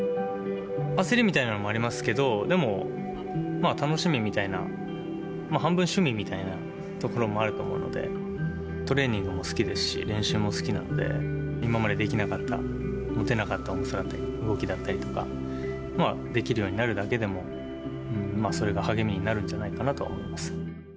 焦りみたいなものもありますけど、でも、楽しみみたいな、半分趣味みたいなところもあると思うので、トレーニングも好きですし、練習も好きなので、今までできなかった、持てなかった重さだったり、動きだったりとか、できるようになるだけでも、それが励みになるんじゃないかなと思います。